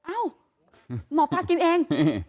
เอ้าหมอปลากินเอง